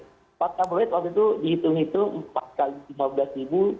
empat tabloid waktu itu dihitung hitung empat x lima belas ribu